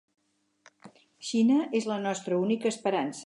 Xina és la nostra única esperança.